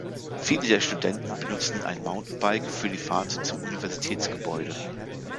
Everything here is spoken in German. Viele der Studenten benutzen ein Mountainbike für die Fahrt zum Universitätsgebäude.